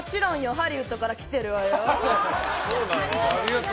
ハリウッドから来てるわよ。